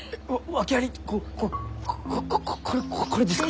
こここれこれですか？